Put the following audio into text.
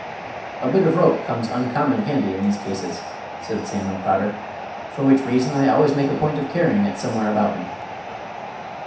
"A bit of rope comes uncommon handy in these cases," said Samuel Prodder, "for which reason I always make a point of carrying it somewhere about me."